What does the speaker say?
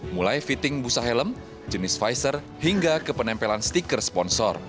mulai fitting busa helm jenis visor hingga kepenempelan stiker sponsor